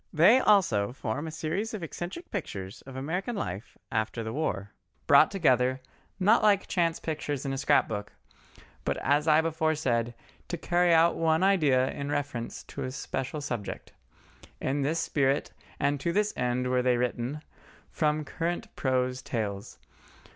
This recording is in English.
They also form a series of eccentric pictures of American life after the war, brought together, not like chance pictures in a scrap book, but as I before said, to carry out one idea in reference to a special subject. In this spirit and to this end were they written, from current prose tales.